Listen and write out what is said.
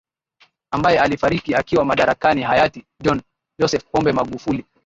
ambaye alifariki akiwa madarakani hayati John Joseph Pombe Magufuli